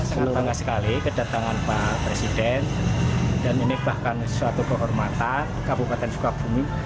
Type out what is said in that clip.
sangat bangga sekali kedatangan pak presiden dan ini bahkan suatu kehormatan kabupaten sukabumi